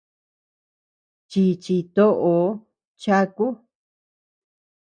Chíchi toʼoo cháku.